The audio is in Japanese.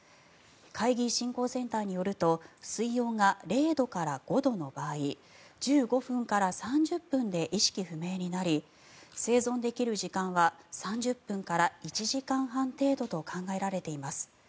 海技振興センターによると水温が０度から５度の場合１５分から３０分で意識不明になり生存できる時間は３０分から１時間半程度と考えられています。